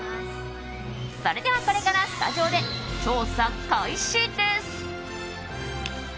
それでは、これからスタジオで調査開始です！